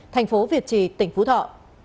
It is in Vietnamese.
thành phố việt trì tỉnh phú thọ